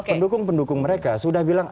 pendukung pendukung mereka sudah bilang